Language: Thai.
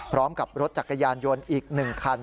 พร้อมกับรถจักรยานยนต์อีก๑คัน